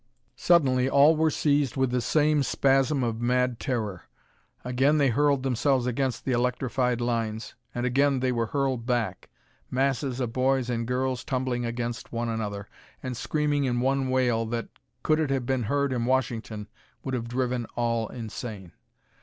Suddenly all were seized with the same spasm of mad terror. Again they hurled themselves against the electrified lines, and again they were hurled back, masses of boys and girls tumbling against one another, and screaming in one wail that, could it have been heard in Washington, would have driven all insane.